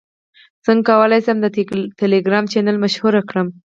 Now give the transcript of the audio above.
څنګه کولی شم د ټیلیګرام چینل مشهور کړم